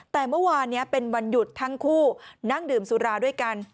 แต่เมื่อวานนี้เป็นวันหยุดทั้งคู่นั่งดื่มสุราด้วยกัน